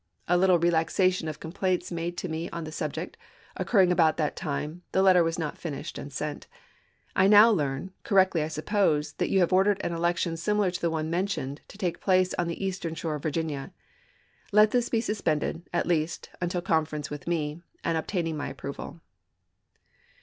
A little relaxation of complaints made to me on the subject, occurring about that time, the letter was not finished and sent. I now learn, correctly I sup pose, that you have ordered an election similar to the one mentioned, to take place on the Eastern Shore of Virginia, to Butier, Let this be suspended, at least, until conference with me, Autograph ,,,.. x , 7 ms. and obtaining my approval.